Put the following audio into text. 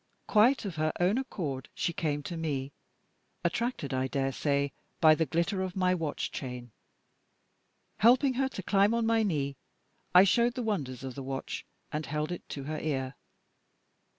Quite of her own accord she came to me, attracted I daresay by the glitter of my watch chain. Helping her to climb on my knee, I showed the wonders of the watch, and held it to her ear.